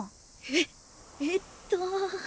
えっ！えっとぉ。